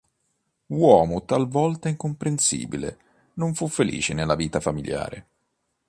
Uomo talvolta incomprensibile non fu felice nella vita familiare.